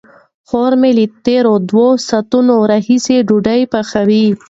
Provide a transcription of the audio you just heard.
خور مې له تېرو دوو ساعتونو راهیسې ډوډۍ پخوي.